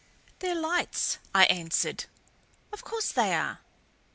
"They're lights," I answered. "Of course they are.